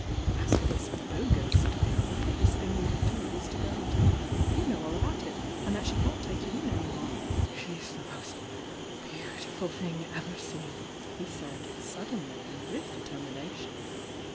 As for this 'bo gus Diana, the best thing you can do is to go and te 1 her you know all about it, and that she can't take you .n any more." "She's the most beautiful thing ever seen'" he said, suddenly and with determination.